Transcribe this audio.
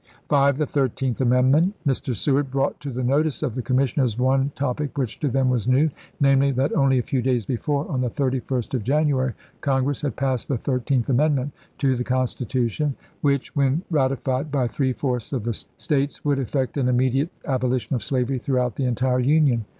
V. The Thirteenth Amendment. — Mr. Seward brought to the notice of the commissioners one topic which to them was new; namely, that only a few days before, on the 31st of January, Congress isgs. had passed the Thirteenth Amendment to the Con stitution, which, when ratified by three fourths of the States, would effect an immediate abolition of slavery throughout the entire Union.